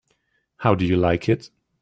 How do you like it?